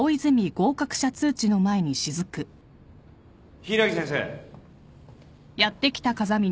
・柊木先生。